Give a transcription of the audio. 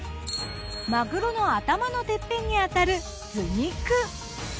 マグロの頭のてっぺんにあたる頭肉。